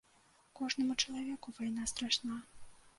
Кожнаму чалавеку вайна страшна.